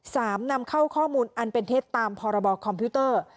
นำเข้าข้อมูลอันเป็นเท็จตามพรบคอมพิวเตอร์